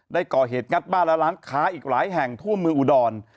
ได้ก่อเหตุงัดบ้านและร้านค้าอีกหลายแห่งทั่วเมืองอุดร